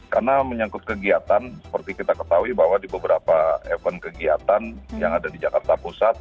karena menyangkut kegiatan seperti kita ketahui bahwa di beberapa event kegiatan yang ada di jakarta pusat